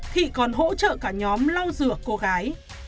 thị còn hỗ trợ cả nhóm lau rửa cô gái